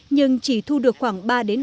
nhưng chỉ thu được khoảng ba mươi triệu đồng